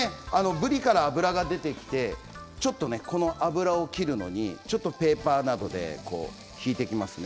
ぶりから脂が出てきてこの脂を切るのにちょっとペーパーなどを引いていきますね。